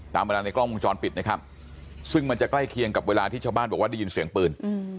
ตามเวลาในกล้องวงจรปิดนะครับซึ่งมันจะใกล้เคียงกับเวลาที่ชาวบ้านบอกว่าได้ยินเสียงปืน